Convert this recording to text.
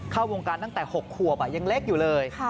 เข้าวงการตั้งแต่๖ขวบยังเล็กอยู่เลย